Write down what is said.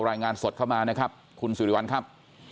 รายงานสดเข้ามานะครับคุณสิริวัลครับ